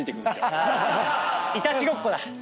いたちごっこだ。